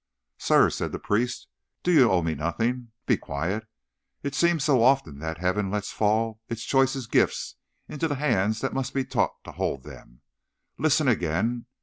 "Sir," said the priest, "do you owe me nothing? Be quiet. It seems so often that Heaven lets fall its choicest gifts into hands that must be taught to hold them. Listen again.